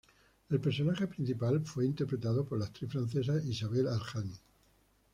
El personaje principal fue interpretado por la actriz francesa Isabelle Adjani.